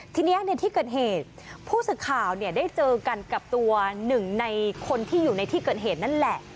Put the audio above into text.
ทีนี้ในที่เกิดเหตุผู้สื่อข่าวได้เจอกันกับตัวหนึ่งในคนที่อยู่ในที่เกิดเหตุนั่นแหละ